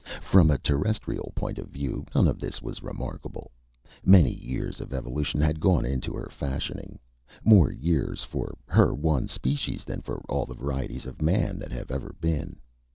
From a Terrestrial point of view, none of this was remarkable. Many years of evolution had gone into her fashioning more years for her one species than for all the varieties of man that have ever been.